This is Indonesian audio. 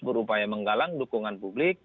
berupaya menggalang dukungan publik